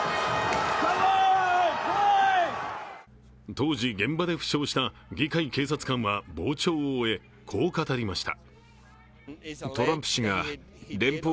当時、現場で負傷した議会警察官は傍聴を終えこう語りました。